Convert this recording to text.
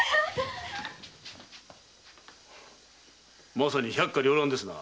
・まさに百花繚乱ですな。